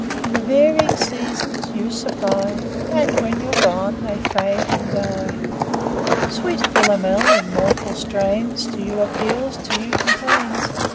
The varying seasons you supply; And, when you're gone, they fade and die. II. Sweet Philomel, in mournful strains, To you appeals, to you complains.